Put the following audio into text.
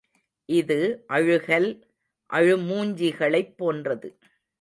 இது அழுகல், அழுமூஞ்சிகளைப் போன்றது.